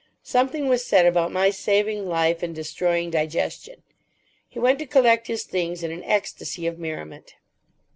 Something was said about my saving life and destroying digestion. He went to collect his things in an ecstasy of merriment.